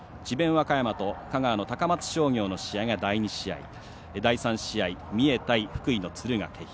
和歌山と香川の高松商業の試合が第２試合第３試合は三重と敦賀気比。